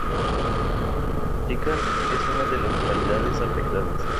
Chosica es una de las localidades afectadas.